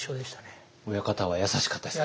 親方は優しかったですか。